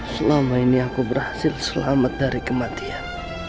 selama ini aku berhasil selamat dari kematian